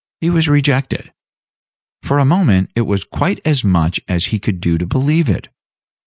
He was rejected. For a moment it was quite as much as he could do to believe it.